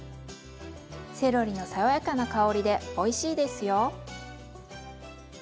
セロリの爽やかな香りでおいしいですよ。